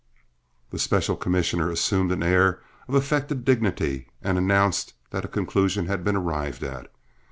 The special commissioner assumed an air of affected dignity and announced that a conclusion had been arrived at.